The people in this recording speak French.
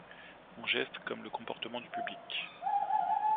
Mon geste comme le comportement du public.